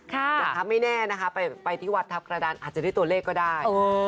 แต่ไม่แน่นะคะไปที่วัดทัพกระดานอาจจะได้ตัวเลขก็ได้